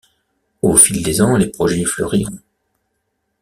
Au fil des ans, les projets fleuriront.